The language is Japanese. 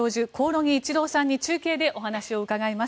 興梠一郎さんに中継でお話を伺います。